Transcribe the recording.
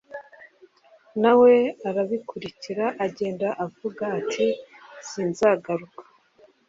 na we arabikurikira agenda avuga ati:sinzagaruka